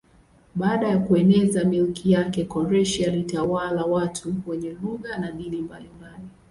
Baada ya kueneza milki yake Koreshi alitawala watu wenye lugha na dini mbalimbali.